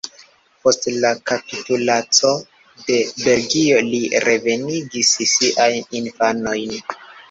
Post la kapitulaco de Belgio li revenigis siajn infanojn.